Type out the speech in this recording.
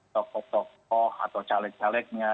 tokoh tokoh atau caleg calegnya